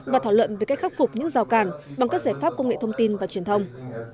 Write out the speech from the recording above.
và thảo luận về cách khắc phục những rào cản bằng các giải pháp công nghệ thông tin và truyền thông